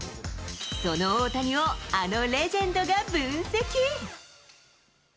その大谷をあのレジェンドが分析。